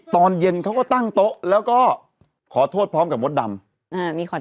ตอนเย็นเขาก็ตั้งโต๊ะแล้วก็ขอโทษพร้อมกับมดดำ